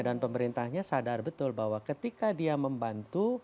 dan pemerintahnya sadar betul bahwa ketika dia membantu